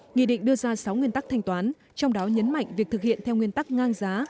nghị định đưa ra sáu nguyên tắc thanh toán trong đó nhấn mạnh việc thực hiện theo nguyên tắc ngang giá